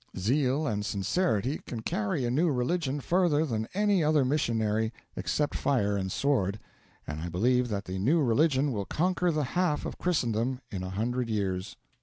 Zeal and sincerity can carry a new religion further than any other missionary except fire and sword, and I believe that the new religion will conquer the half of Christendom in a hundred years.